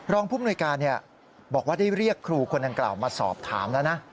ภูมิหน่วยการบอกว่าได้เรียกครูคนดังกล่าวมาสอบถามแล้วนะ